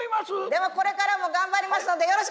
ではこれからも頑張りますのでよろしくお願いします！